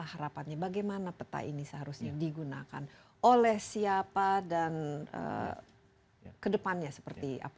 harapannya bagaimana peta ini seharusnya digunakan oleh siapa dan kedepannya seperti apa